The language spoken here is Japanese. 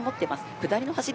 下りの走り